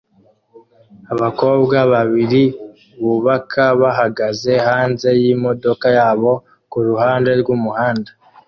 Abakozi babiri bubaka bahagaze hanze yimodoka yabo kuruhande rwumuhanda